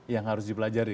yang harus dipelajari